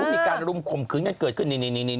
มีการรุมข่มขืนกันเกิดขึ้นนี่